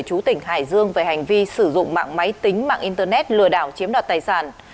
chú tỉnh hải dương về hành vi sử dụng mạng máy tính mạng internet lừa đảo chiếm đoạt tài sản